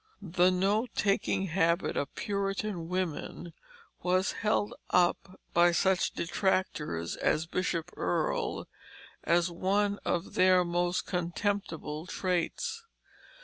The note taking habit of Puritan women was held up by such detractors as Bishop Earle as one of their most contemptible traits.